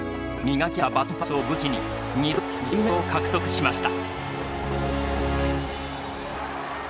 磨き上げたバトンパスを武器に２度銀メダルを獲得しました。